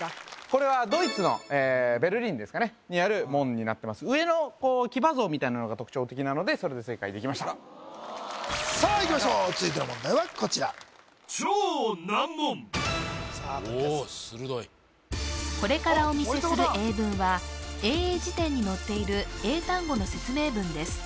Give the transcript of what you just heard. これはドイツのベルリンですかねにある門になってます上の騎馬像みたいなのが特徴的なのでそれで正解できましたさあいきましょう続いての問題はこちらお鋭いこれからお見せする英文は英英辞典に載っている英単語の説明文です